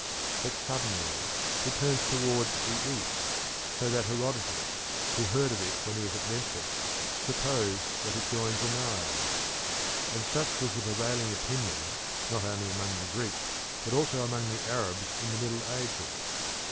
But suddenly it turns towards the east, so that Herodotus, who heard of it when he was at Memphis, supposed that it joined the Nile; and such was the prevailing opinion not only among the Greeks but also among the Arabs in the Middle Ages.